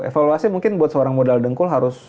evaluasi mungkin buat seorang modal dengkul harus